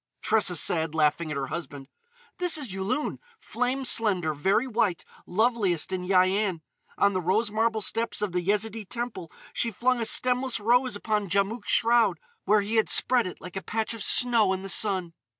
Tressa said, laughing at her husband: "This is Yulun, flame slender, very white, loveliest in Yian. On the rose marble steps of the Yezidee Temple she flung a stemless rose upon Djamouk's shroud, where he had spread it like a patch of snow in the sun.